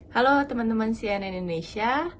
halo teman teman cnn indonesia